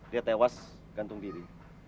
dia tewas gantung diri